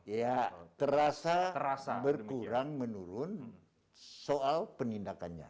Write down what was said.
ya terasa berkurang menurun soal penindakannya